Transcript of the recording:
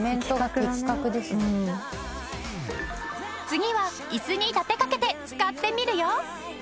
次は椅子に立てかけて使ってみるよ。